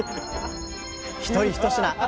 一人一品。